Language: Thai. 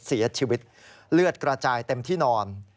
เสียชีวิตเลือดกระจายเต็มที่นอน